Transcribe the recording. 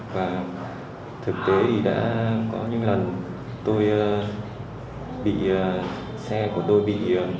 và thực tế thì đã có những lần tôi bị xe của tôi bị